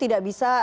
tidak bisa dikira